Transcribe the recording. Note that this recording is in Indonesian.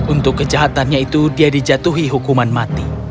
untuk kejahatannya itu dia dijatuhi hukuman mati